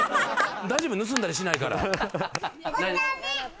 大丈夫、盗んだりしないから。